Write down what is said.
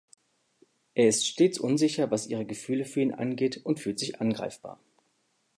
Er ist stets unsicher, was ihre Gefühle für ihn angeht, und fühlt sich angreifbar.